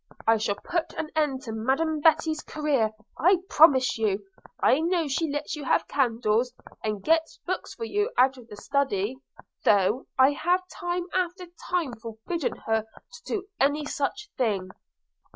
I shall put an end to Madam Betty's career, I promise you; I know she lets you have candles, and gets books for you out of the Study, though I have time after time forbidden her to do any such thing.'